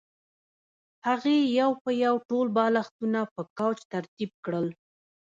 هغې یو په یو ټول بالښتونه په کوچ ترتیب کړل